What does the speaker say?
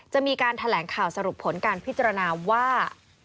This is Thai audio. จะมีการแถลงข่าวสรุปผลการพิจารณาว่า